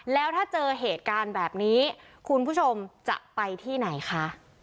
แล้วถ้าเจอเหตุการณ์แบบนี้คุณผู้ชมจะไปที่ไหนคะ